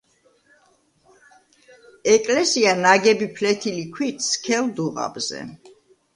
ეკლესია ნაგები ფლეთილი ქვით, სქელ დუღაბზე.